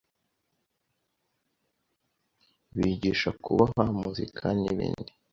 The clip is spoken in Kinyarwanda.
bigisha , kuboha, Muzika n’ibindi.